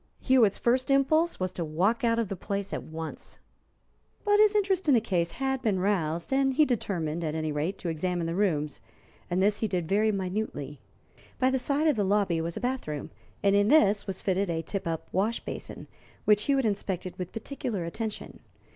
Hewitt's first impulse was to walk out of the place at once. But his interest in the case had been roused, and he determined, at any rate, to examine the rooms, and this he did very minutely. By the side of the lobby was a bath room, and in this was fitted a tip up wash basin, which Hewitt inspected with particular attention.